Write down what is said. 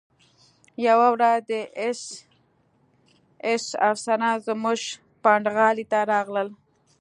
یوه ورځ د اېس ایس افسران زموږ پنډغالي ته راغلل